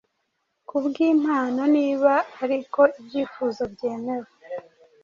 kubwimpano Niba ariko ibyifuzo byemerwe